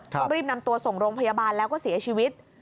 ต้องรีบนำตัวส่งโรงพยาบาลแล้วก็เสียชีวิต